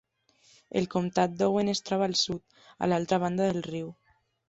El comtat d'Owen es troba al sud, a l'altra banda del riu.